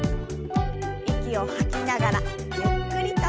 息を吐きながらゆっくりと。